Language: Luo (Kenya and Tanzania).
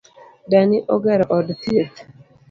Dani ogero od thieth